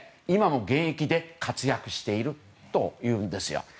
今も現役で活躍しているというんです。